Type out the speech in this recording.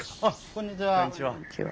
こんにちは。